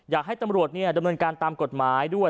อยากให้ตำรวจดำเนินการตามกฎหมายด้วย